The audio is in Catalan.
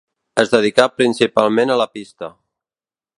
Es dedicà principalment a la pista.